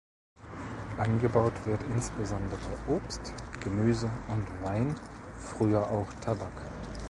Angebaut wird insbesondere Obst, Gemüse und Wein, früher auch Tabak.